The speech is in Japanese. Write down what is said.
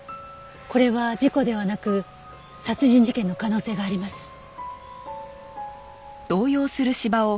これは事故ではなく殺人事件の可能性があります。